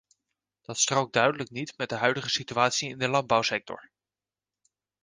Dat strookt duidelijk niet met de huidige situatie in de landbouwsector.